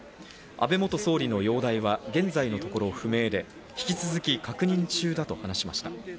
安倍元総理の容体は現在のところ不明で、引き続き確認中だと話しました。